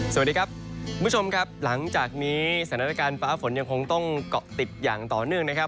สวัสดีครับคุณผู้ชมครับหลังจากนี้สถานการณ์ฟ้าฝนยังคงต้องเกาะติดอย่างต่อเนื่องนะครับ